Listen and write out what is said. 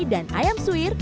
dan ayam suir